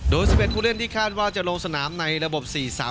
โดยสิบเอ็ดคุณเล่นที่คาดว่าจะลงสนามในระบบ๔๓๓